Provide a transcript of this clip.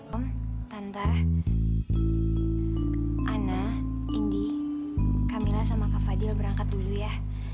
om tante ana indi camilla sama kak fadil berangkat dulu ya